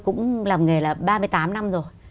cũng làm nghề là ba mươi tám năm rồi